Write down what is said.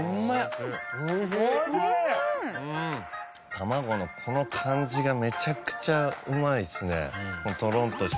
卵のこの感じがめちゃくちゃうまいですねとろんとして。